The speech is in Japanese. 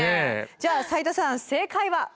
じゃあ斉田さん正解は？